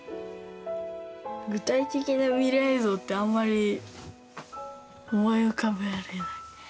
具体的な未来像ってあんまり思い浮かべられない。